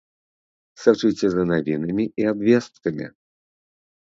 Сачыце за навінамі і абвесткамі!